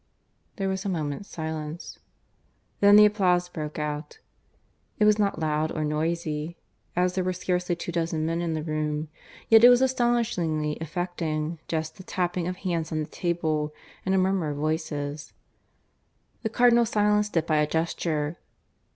There was a moment's silence. Then the applause broke out. It was not loud or noisy, as there were scarcely two dozen men in the room, yet it was astonishingly affecting, just the tapping of hands on the table and a murmur of voices. The Cardinal silenced it by a gesture.